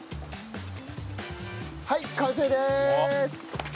はい完成でーす！